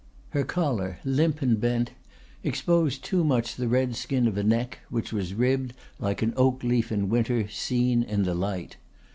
Her collar, limp and bent, exposed too much the red skin of a neck which was ribbed like an oak leaf in winter seen in the light.